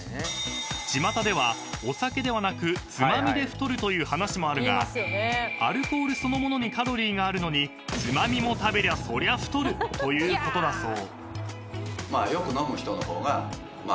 ［ちまたではお酒ではなくつまみで太るという話もあるがアルコールそのものにカロリーがあるのにつまみも食べりゃそりゃ太るということだそう］